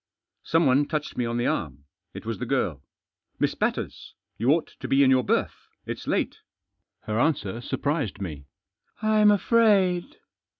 Someone touched me on the arm. It was the girl. " Miss Batters ! You ought to be in your berth. It's late." Her answer surprised me. "I'm afraid."